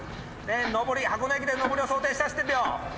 上り箱根駅伝の上りを想定して走ってってよ。